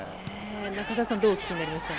中澤さんどうお聞きになりました？